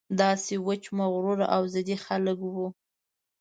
داسې وچ مغروره او ضدي خلک وو.